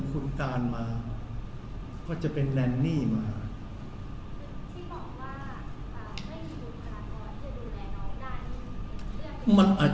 ตอนนี้ครับพอวันเริ่มเป็นรายละเอียดของน้องนะคะ